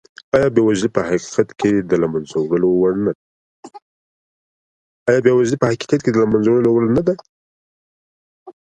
ایا بېوزلي په حقیقت کې د له منځه وړلو وړ نه ده؟